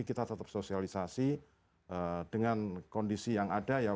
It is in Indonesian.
kita tetap sosialisasi dengan kondisi yang ada ya